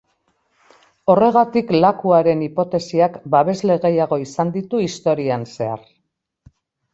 Horregatik lakuaren hipotesiak babesle gehiago izan ditu historian zehar.